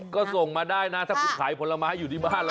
ก็ส่งมาได้นะถ้าคุณขายผลไม้อยู่ในบ้านแล้วล่ะ